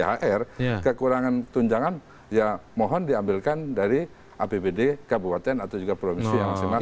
kalau sudah ada kekurangan tunjangan ya mohon diambilkan dari apbd kabupaten atau juga provinsi yang masih masih